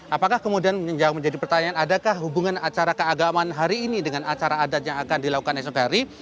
apakah kemudian yang menjadi pertanyaan adakah hubungan acara keagamaan hari ini dengan acara adat yang akan dilakukan esok hari